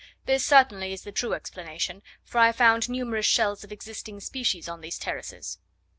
This certainly is the true explanation, for I found numerous shells of existing species on these terraces.